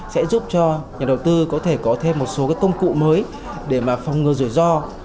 sẽ giúp cho nhà đầu tư có thể có thêm một số công cụ mới để mà phong ngơ rủi ro